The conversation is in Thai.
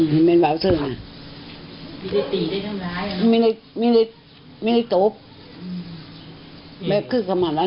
ไปเลยนะล่างทรงพรผู้ต้นอย่างภัยก็บอกด้วยนะคะว่า